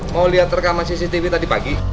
mau lihat rekaman cctv tadi pagi